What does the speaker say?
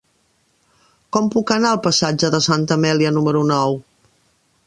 Com puc anar al passatge de Santa Amèlia número nou?